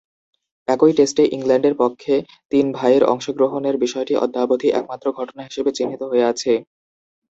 একই টেস্টে ইংল্যান্ডের পক্ষে তিন ভাইয়ের অংশগ্রহণের বিষয়টি অদ্যাবধি একমাত্র ঘটনা হিসেবে চিহ্নিত হয়ে আছে।